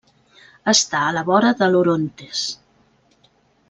Està a la vora de l'Orontes.